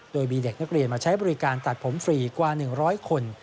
โดยมีเด็กนักเรียนมาใช้บริการตัดผมฟรีกว่า๑๐๐คน